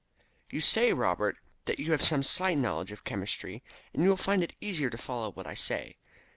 "You say, Robert, that you have some slight knowledge of chemistry, and you will find it easier to follow what I say.